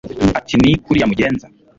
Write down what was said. ati ni kuriya mugenza